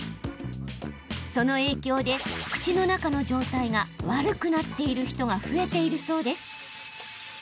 その影響で、口の中の状態が悪くなっている人が増えているそうです。